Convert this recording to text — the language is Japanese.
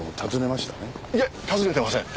いえ訪ねてません。